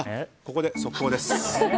ここで速報です。